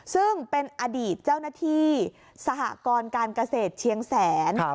ซึ่งเป็นอดีตเจ้าหน้าที่สหกรการเกษตรเชียงแสน